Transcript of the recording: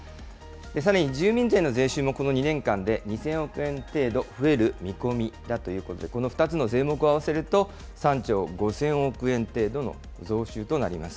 さらに住民税の税収もこの２年間で２０００億円程度増える見込みだということで、この２つの税目を合わせると３兆５０００億円程度の増収となります。